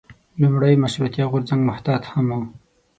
لومړی مشروطیه غورځنګ محتاط هم و.